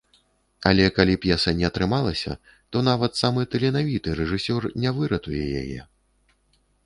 Але калі п'еса не атрымалася, то нават самы таленавіты рэжысёр не выратуе яе.